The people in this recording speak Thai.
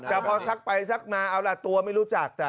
แต่พอซักไปซักมาเอาล่ะตัวไม่รู้จัก